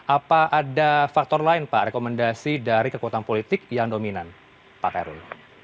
apa ada faktor lain pak rekomendasi dari kekuatan politik yang dominan pak kairul